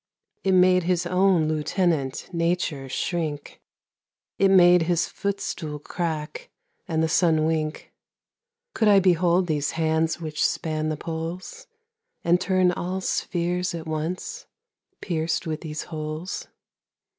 It made his owne Lieutenant Nature shrinke, It made his footstoole crack, and the Sunne winke. Could I behold those hands which span the Poles, And turne all spheares at once, peirc'd with those holes?